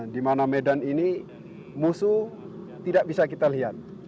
dimana medan ini musuh tidak bisa kita lihat